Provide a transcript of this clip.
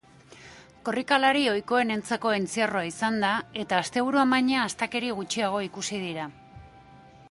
Korrikalari ohikoenentzako entzierroa izan da, eta asteburuan baino astakeri gutxiago ikusi dira.